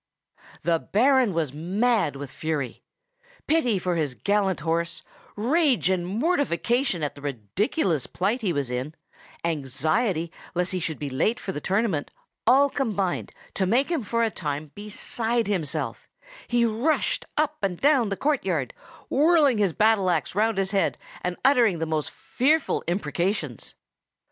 The Baron was mad with fury. Pity for his gallant horse, rage and mortification at the ridiculous plight he was in, anxiety lest he should be late for the tournament, all combined to make him for a time beside himself; he rushed up and down the courtyard, whirling his battle axe round his head, and uttering the most fearful imprecations.